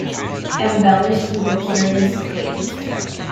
Embellished with a Curious Plate.